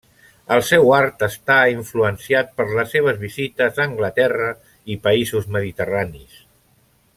El seu art està influenciat per les seves visites a Anglaterra i països mediterranis.